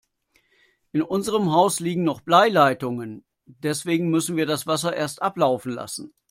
In unserem Haus liegen noch Bleileitungen, deswegen müssen wir das Wasser erst ablaufen lassen.